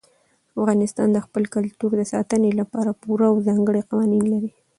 افغانستان د خپل کلتور د ساتنې لپاره پوره او ځانګړي قوانین لري.